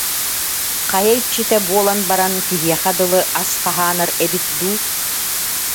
«Хайа иччитэ» буолан баран, киһиэхэ дылы ас хаһаанар эбит дуу»